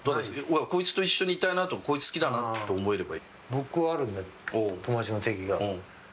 こいつと一緒にいたいなこいつ好きだなと思えれば。